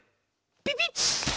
ピピッ！